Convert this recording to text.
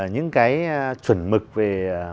những cái chuẩn mực về